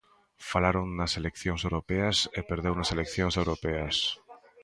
Falaron nas eleccións europeas e perdeu nas eleccións europeas.